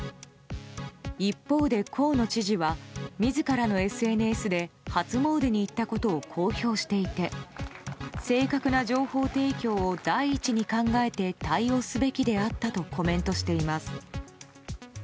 一方で、河野知事は自らのＳＮＳで初詣に行ったことを公表していて正確な情報提供を第一に考えて対応すべきであったとコメントしています。